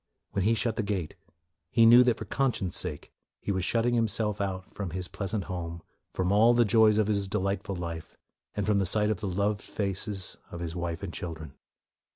When he shut the gate, he knew that for conscience' sake he was shutting himself out from his pleasant home, from all the joys of his delightful life, and from the sight of the loved faces of his wife and children.